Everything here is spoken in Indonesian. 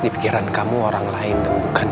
di pikiran kamu orang lain bukan